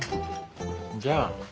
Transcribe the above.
じゃあ。